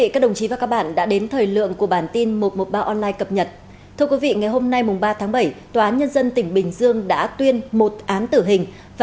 các bạn hãy đăng ký kênh để ủng hộ kênh của chúng mình nhé